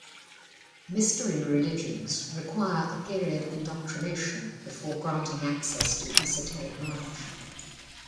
Mystery religions require a period of indoctrination before granting access to esoteric knowledge.